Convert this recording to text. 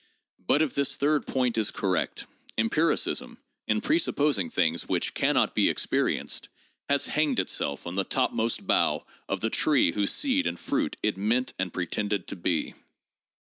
But if this third point is correct, empiricism, in presupposing things which can not be experienced, has hanged itself on the topmost bough of the tree whose seed and fruit it meant and pretended to be.